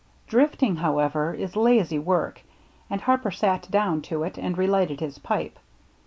Drifting, however, is lazy work, and Harper sat down to it and relighted his pipe.